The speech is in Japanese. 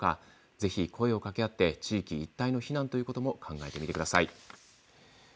ぜひ声をかけ合って地域一体の避難ということも考えてください。